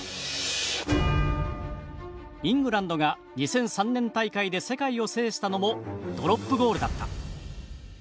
イングランドが２００３年大会で世界を制したのもドロップゴールだった。